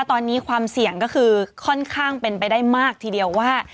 ตอนนี้ความเสี่ยงก็คือค่อนข้างเป็นไปได้มากทีเดียวว่า